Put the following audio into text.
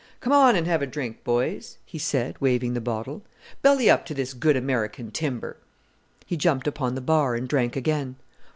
"Come on and have a drink, boys," he said, waving the bottle. "Belly up to this good American timber." He jumped upon the bar and drank again.